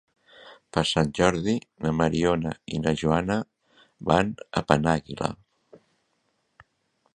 Per Sant Jordi na Mariona i na Joana van a Penàguila.